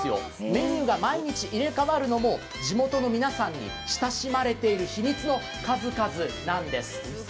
メニューが毎日入れ代わるのも地元の皆さんに親しまれている秘密の数々なんです。